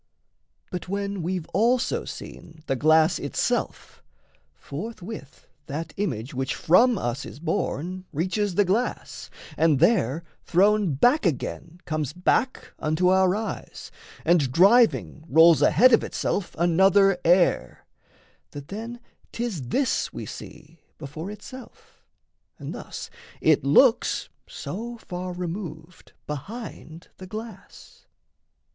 But when we've also seen the glass itself, Forthwith that image which from us is borne Reaches the glass, and there thrown back again Comes back unto our eyes, and driving rolls Ahead of itself another air, that then 'Tis this we see before itself, and thus It looks so far removed behind the glass.